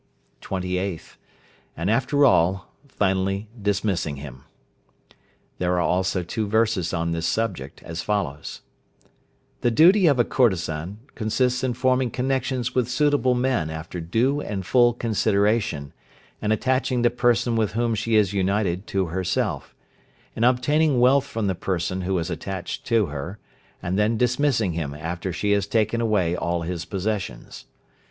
28th. And, after all, finally dismissing him. There are also two verses on this subject as follows: "The duty of a courtesan consists in forming connections with suitable men after due and full consideration, and attaching the person with whom she is united to herself; in obtaining wealth from the person who is attached to her, and then dismissing him after she has taken away all his possessions."